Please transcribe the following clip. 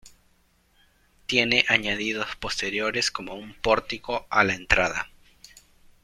Tiene añadidos posteriores como un pórtico a la entrada.